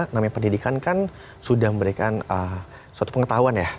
namanya pendidikan kan sudah memberikan suatu pengetahuan ya